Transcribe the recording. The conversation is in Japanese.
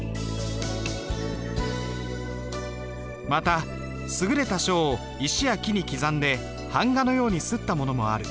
また優れた書を石や木に刻んで版画のように刷ったものもある。